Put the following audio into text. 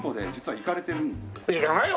行かないよ